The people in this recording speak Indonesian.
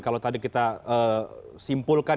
kalau tadi kita simpulkan